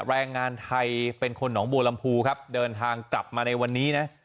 แรงงานไทยเป็นคนหนองบัวลำพูครับเดินทางกลับมาในวันนี้นะ